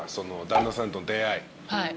旦那さんとの出会い。